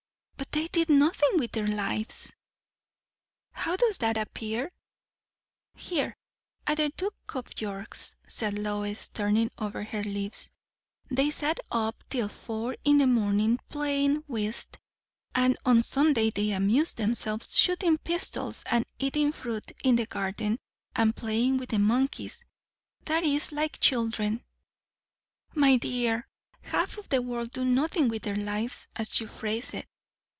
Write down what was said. "But they did nothing with their lives." "How does that appear?" "Here, at the Duke of York's," said Lois, turning over her leaves; "they sat up till four in the morning playing whist; and on Sunday they amused themselves shooting pistols and eating fruit in the garden, and playing with the monkeys! That is like children." "My dear, half the world do nothing with their lives, as you phrase it."